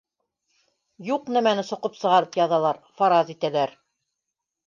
Юҡ нәмәне соҡоп сығарып яҙалар, фараз итәләр